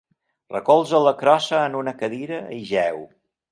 Recolza la crossa en una cadira i jeu.